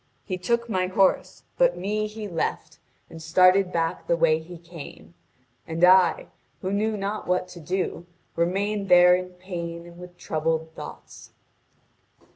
He took my horse, but me he left, and started back by the way he came. And I, who knew not what to do, remained there in pain and with troubled thoughts.